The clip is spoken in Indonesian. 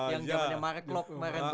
yang jamannya mark lock